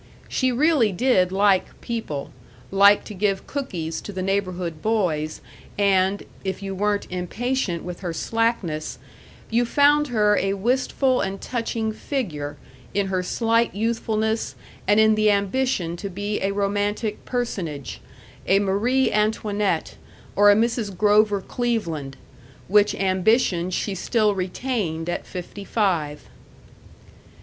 She really did like people, liked to give cookies to the neighborhood boys, and if you weren't impatient with her slackness you found her a wistful and touching figure in her slight youthfulness and in the ambition to be a romantic personage, a Marie Antoinette or a Mrs. Grover Cleveland, which ambition she still retained at fifty five.